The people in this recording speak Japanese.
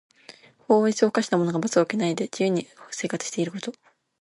法律を犯した者が罰を受けないで自由に生活していること。